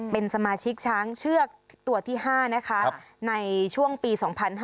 เป็นสมาชิกช้างเชือกตัวที่๕นะคะในช่วงปี๒๕๕๙